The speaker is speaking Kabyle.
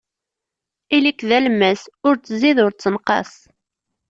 Ili-k d alemmas, ur ttzid, ur ttenqas.